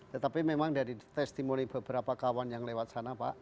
tetapi memang dari testimoni beberapa kawan yang lewat sana pak